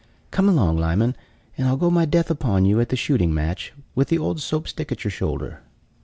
Come along, Lyman, and I'll go my death upon you at the shooting match, with the old Soap stick at your shoulder."